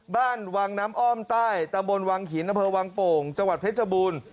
บ้านวังน้ำอ้อมใต้ตะบนวังหินอำเภอวังโป่งจังหวัดเพชรบูรณ์